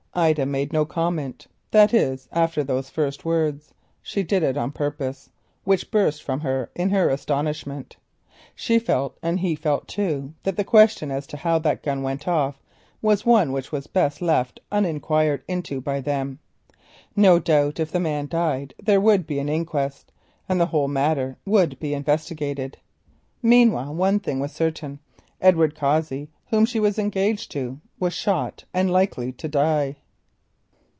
Ida made no comment, that is after those first words, "she did it on purpose," which burst from her in astonishment. She felt, and he felt too, that the question as to how that gun went off was one which was best left uninquired into by them. No doubt if the man died there would be an inquest, and the whole matter would be investigated. Meanwhile one thing was certain, Edward Cossey, whom she was engaged to, was shot and likely to die.